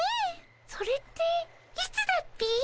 それっていつだっピ？